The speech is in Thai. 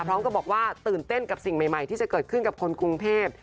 ก็บอกว่าตื่นเต้นกับสิ่งใหม่ที่จะเกิดขึ้นกับคนกรุงเทพ